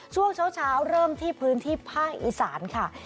ช่วงเช้าเริ่มที่พื้นที่ภาคอีสานค่ะ